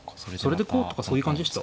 それでこうとかそういう感じでした？